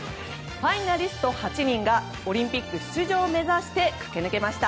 ファイナリスト８人がオリンピック出場を目指して駆け抜けました。